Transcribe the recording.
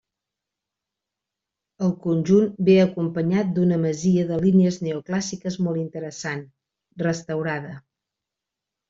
El conjunt ve acompanyat d'una masia de línies neoclàssiques molt interessant, restaurada.